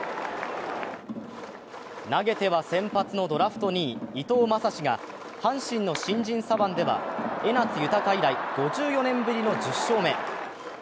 投げては先発のドラフト２位、伊藤将司が阪神の新人左腕では江夏豊以来、５４年ぶりの１０勝目。